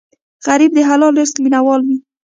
غریب د حلال رزق مینه وال وي